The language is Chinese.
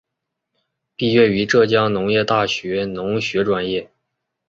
毕业于浙江农业大学农学专业。